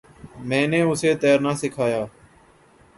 میں نے اسے تیرنا سکھایا۔